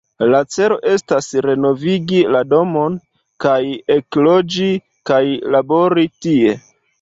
La celo estas renovigi la domon kaj ekloĝi kaj labori tie.